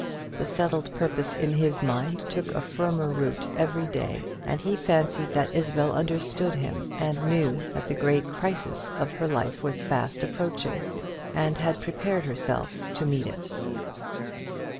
The settled purpose in his mind took a firmer root every day; and he fancied that Isabel understood him, and knew that the great crisis of her life was fast approaching, and had prepared herself to meet it.